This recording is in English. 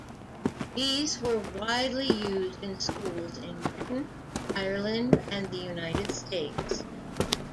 These were widely used in schools in Britain, Ireland and the United States.